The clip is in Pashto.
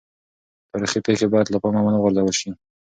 تاریخي پېښې باید له پامه ونه غورځول سي.